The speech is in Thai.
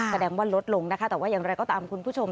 แสดงว่าลดลงนะคะแต่ว่าอย่างไรก็ตามคุณผู้ชม